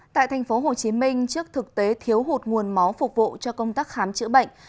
tại thành phố hồ chí minh trước thực tế thiếu hụt nguồn máu phục vụ cho công tác khám chữa bệnh